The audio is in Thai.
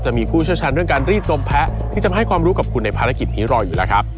ผู้เชี่ยวชาญเรื่องการรีดดมแพ้ที่จะมาให้ความรู้กับคุณในภารกิจนี้รออยู่แล้วครับ